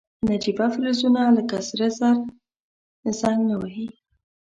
نجیبه فلزونه لکه سره زر زنګ نه وهي.